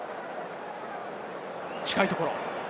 近いところ。